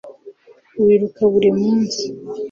wiruka buri munsi